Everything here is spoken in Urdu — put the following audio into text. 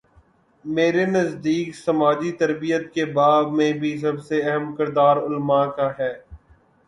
میرے نزدیک سماجی تربیت کے باب میں بھی سب سے اہم کردار علما کا ہے۔